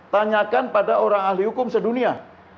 tanyakan pada orang ahli hukum sedunia